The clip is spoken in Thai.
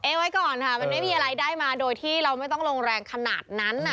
ไว้ก่อนค่ะมันไม่มีอะไรได้มาโดยที่เราไม่ต้องลงแรงขนาดนั้น